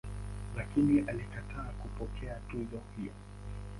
Lakini alikataa kupokea tuzo hiyo.